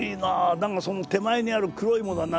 何かその手前にある黒いものは何じゃ？